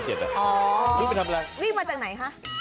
วิ่งมาจากไหน